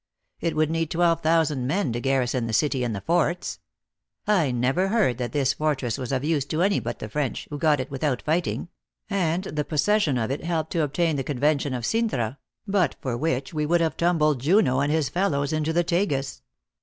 It would need twelve thousand men to garrison the city and the forts. I never heard that this fortress was of use to any but the French, who got it without fighting ; and the pos THE ACTRESS IN HIGH LIFE. 269 session of it helped them to obtain the convention of Cintra; but for which we would have tumbled Junot and his fellows into the Tagns.